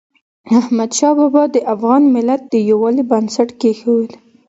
احمدشاه بابا د افغان ملت د یووالي بنسټ کېښود.